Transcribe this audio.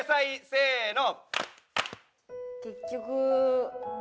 せーの。